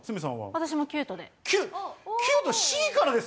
私もキュートで。